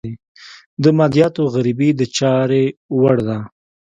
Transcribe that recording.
د مادیاتو غريبي د چارې وړ ده.